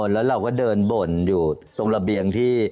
แล้วเราก็เดินบ่นอยู่ตรงระเบียงที่